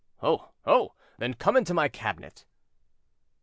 "Oh! oh! then come into my cabinet."